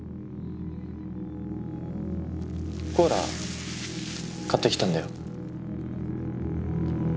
コーラ買ってきたんだよ。